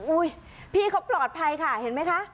พี่เขาปลอดภัยค่ะเห็นไหมคะ